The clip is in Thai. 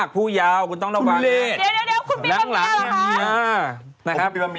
ผู้ยาวคุณต้องระวังนะ